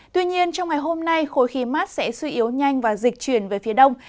tuy nhiên trong ngày hôm nay khối khí mát sẽ suy yếu nhanh và dịch chuyển về phía đông